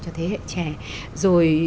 cho thế hệ trẻ rồi